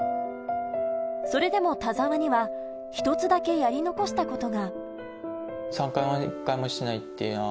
それでも田澤には１つだけやり残したことが。